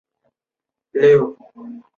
越南史料中称她为玉云。